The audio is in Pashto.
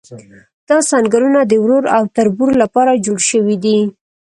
دا سنګرونه د ورور او تربور لپاره جوړ شوي دي.